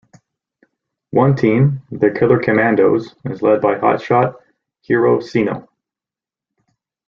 One team, the Killer Commandos, is led by hotshot Hiro Seno.